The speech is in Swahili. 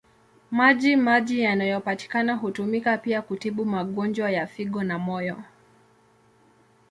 Maji maji yanayopatikana hutumika pia kutibu magonjwa ya figo na moyo.